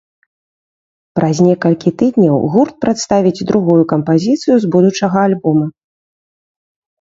Праз некалькі тыдняў гурт прадставіць другую кампазіцыю з будучага альбома.